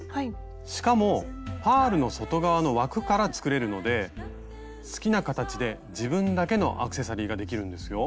しかもパールの外側の枠から作れるので好きな形で自分だけのアクセサリーができるんですよ。